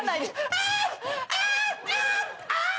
あっ！！